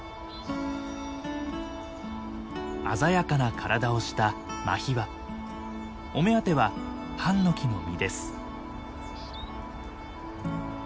鮮やかな体をしたお目当てはハンノキの実です。